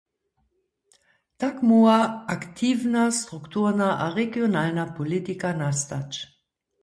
Tak móhła aktiwna strukturna a regionalna politika nastać.